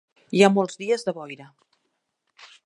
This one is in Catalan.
Hi ha molts dies de boira.